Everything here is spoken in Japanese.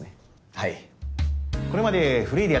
はい。